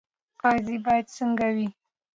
قاضي باید څنګه وي؟